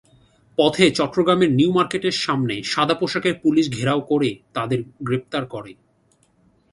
পথে চট্টগ্রামের নিউ মার্কেটের সামনে সাদা পোশাকের পুলিস ঘেরাও করে তাকে গ্রেপ্তার করে।